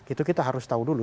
itu kita harus tahu dulu